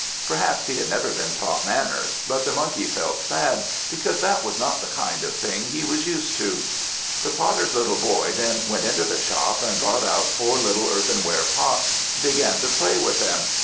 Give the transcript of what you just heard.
Perhaps he had never been taught manners, but the Monkey felt sad, because that was not the kind of thing he was used to. The Potter's little Boy then went into the shop, and brought out four little earthenware pots, and began to play with them.